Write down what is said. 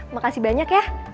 makasih banyak ya